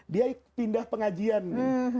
dia pindah pengajian nih